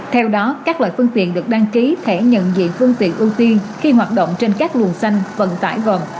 theo đó các loại phương tiện được đăng ký thẻ nhận diện phương tiện ưu tiên khi hoạt động trên các luồng xanh vận tải gồm